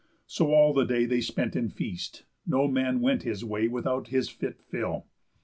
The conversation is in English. So all the day They spent in feast; no one man went his way Without his fit fill.